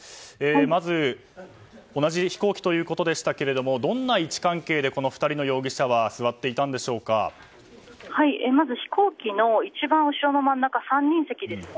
まず同じ飛行機ということですがどんな位置関係でこの２人の容疑者はまず飛行機の一番後ろの真ん中３人席ですね。